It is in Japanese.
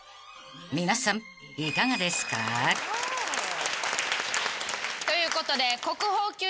［皆さんいかがですか？］ということで。